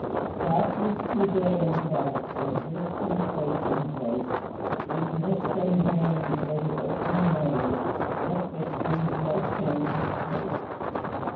Southward through day and dark, They drift in close embrace, With mist and rain, o'er the open main; Yet there seems no change of place.